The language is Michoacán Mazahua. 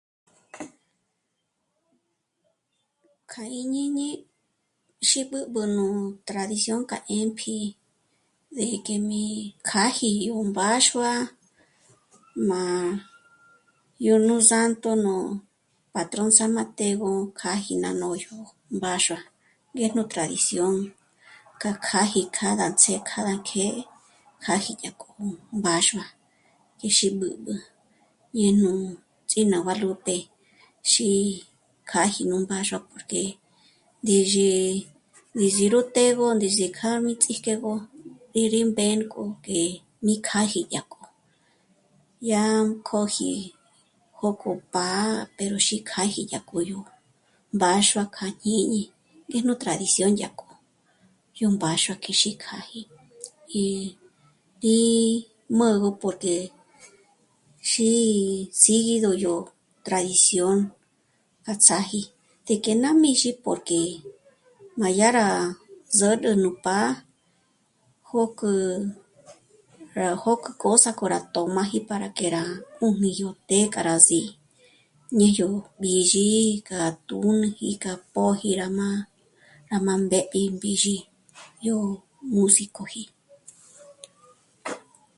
Kja í jñíñi xí b'ǚb'ü nú tradición k'a 'ë́mpji ndé kjè'e mí kjâji yó mbáxua má yó nú Santo... nú Patrón San Mateo kjâji ná nôxgü mbáxua, ngéjnu tradición k'a kjâji cada ts'ë́ cada que kjâji dyá k'o mbáxua, ngí xí b'ǚb'ü, ñé nú ts'ínabalóte xí kjâji nú mbáxua porque ndéxe ndízi ró të́'ëgö, ndés'e k'a mí tsíjk'egö í rí mbë́nk'o k'e mí kjâji dyá k'o. Yá kóji jók'o pá'a pero xí kjâji dyá k'o, k'o yó mbáxuá k'a jñíñi ngéjnu tradición dyá k'o, yó mbáxua k'e xí kjâji. Í, í mǚgü porque xí sígido yó tradición k'a ts'âji té k'e ná míxi porque má yá rá zǚrü nú pá'a, jók'ü..., rá jók'ü kjôs'ü k'o rá tö̌m'áji para que rá 'ùjni yó té k'a rá sí'i, ñé yó b'ǐzhi k'a tújn'uji k'a póji rá má..., rá má ndéb'i b'ǐzhi yó músicoji